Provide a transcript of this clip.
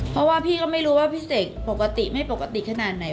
เพราะว่าพี่ก็ไม่รู้ว่าพี่เสกปกติไม่ปกติขนาดไหน